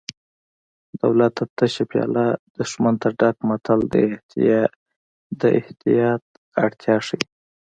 دوست ته تشه پیاله دښمن ته ډکه متل د احتیاط اړتیا ښيي